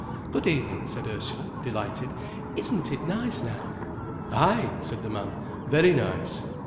"Good evening," said Ursula, delighted. "Isn't it nice now?" "Ay," said the man, "very nice."